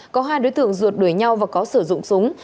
có hai đối tượng ruột đuổi nhau và có sử dụng súng